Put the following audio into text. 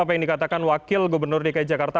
apa yang dikatakan wakil gubernur dki jakarta